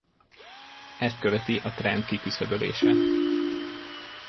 Ezt követi a trend kiküszöbölése.